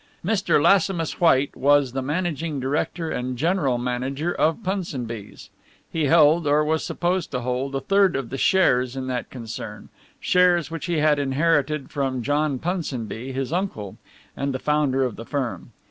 Mr. Lassimus White was the managing director and general manager of Punsonby's. He held, or was supposed to hold, a third of the shares in that concern, shares which he had inherited from John Punsonby, his uncle, and the founder of the firm.